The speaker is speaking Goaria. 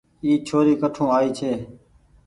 اي ڇوري ڪٺو آئي ڇي۔